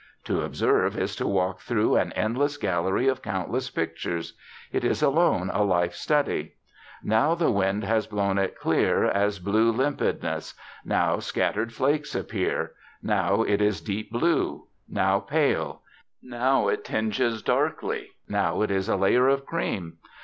To observe is to walk through an endless gallery of countless pictures. It is alone a life study. Now the wind has blown it clear as blue limpidness; now scattered flakes appear; now it is deep blue; now pale; now it tinges darkly; now it is a layer of cream.